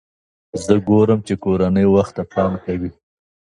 زه ګورم چې کورنۍ وخت ته پام کوي.